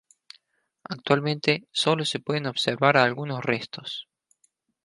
Actualmente solo se pueden observar algunos restos.